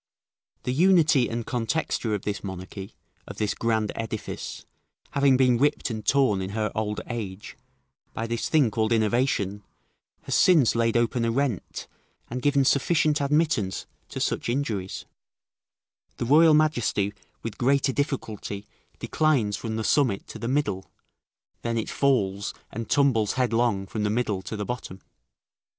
The unity and contexture of this monarchy, of this grand edifice, having been ripped and torn in her old age, by this thing called innovation, has since laid open a rent, and given sufficient admittance to such injuries: the royal majesty with greater difficulty declines from the summit to the middle, then it falls and tumbles headlong from the middle to the bottom.